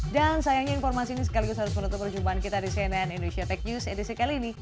dan sayangnya informasi ini sekaligus harus menutup perjumpaan kita di cnn indonesia tech news edisi kali ini